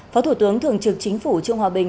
phó thủ tướng thường trực chính phủ trương hòa bình